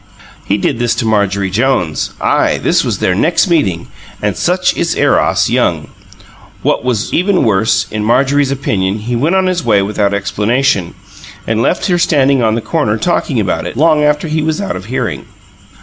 He did this to Marjorie Jones ay! this was their next meeting, and such is Eros, young! What was even worse, in Marjorie's opinion, he went on his way without explanation, and left her standing on the corner talking about it, long after he was out of hearing.